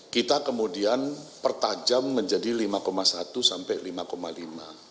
kita kemudian pertajam menjadi lima satu sampai lima lima